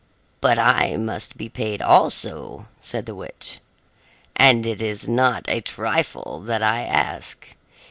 "But I must be paid, also," said the witch, "and it is not a trifle that I ask.